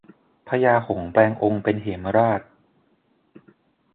พญาหงส์แปลงองค์เป็นเหมราช